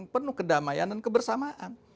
penuh kedamaian dan kebersamaan